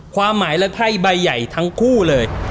ความหมายและไพ่ใบใหญ่ทั้งคู่เลย